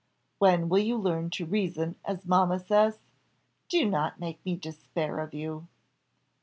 When will you learn to reason, as mamma says? Do not make me despair of you."